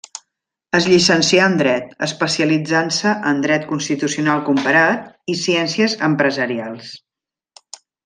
Es llicencià en dret, especialitzant-se en dret constitucional comparat, i ciències empresarials.